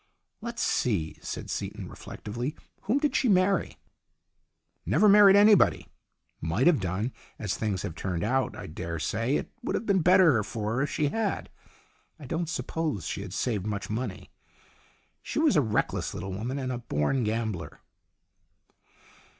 "Let's see," said Seaton, reflectively. "Whom did she marry ?" "Never married anybody. Might have done. As things have turned out, I dare say it would have been better for her if she had. I don't suppose she had saved much money. She was a reckless little woman, and a born gambler."